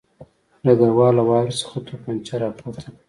ډګروال له واورې څخه توپانچه راپورته کړه